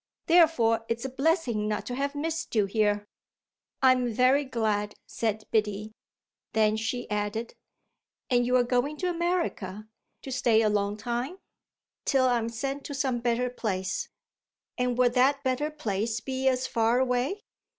Therefore it's a blessing not to have missed you here." "I'm very glad," said Biddy. Then she added: "And you're going to America to stay a long time?" "Till I'm sent to some better place." "And will that better place be as far away?"